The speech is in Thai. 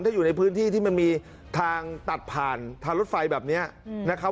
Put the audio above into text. ถ้าอยู่ในพื้นที่ที่มันมีทางตัดผ่านทางรถไฟแบบนี้นะครับ